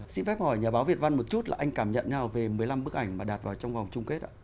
xin phép hỏi nhà báo việt văn một chút là anh cảm nhận nhau về một mươi năm bức ảnh mà đạt vào trong vòng chung kết ạ